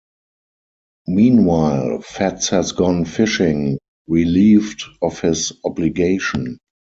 Meanwhile, Fats has gone fishing, relieved of his obligation.